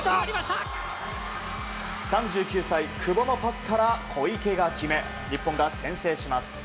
３９歳、久保のパスから小池が決め日本が先制します。